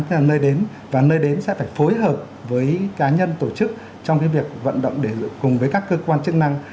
thế là nơi đến và nơi đến sẽ phải phối hợp với cá nhân tổ chức trong cái việc vận động để cùng với các cơ quan chức năng